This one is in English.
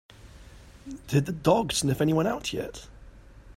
Did the dog sniff anyone out yet?